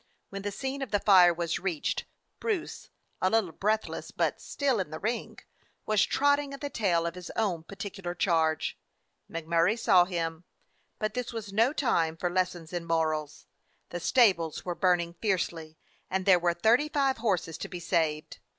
When the scene of the fire was reached, Bruce, a little breathless but "still in the ring," was trotting at the tail of his own particular charge. Mac Murray saw him, but this was no time for lessons in morals. The stables were burning fiercely, and there were thirty five horses to be saved.